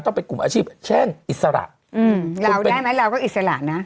ต้องเป็นกลุ่มอาชีพเช่นอิสระเราได้ไหมเราก็อิสระนะ